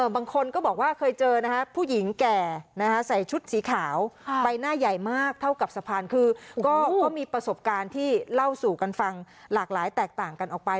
บางคนก็บอกว่าเคยเจอนะฮะผู้หญิงแก่ใส่ชุดสีขาวใบหน้าใหญ่มากเท่ากับสะพานคือก็มีประสบการณ์ที่เล่าสู่กันฟังหลากหลายแตกต่างกันออกไป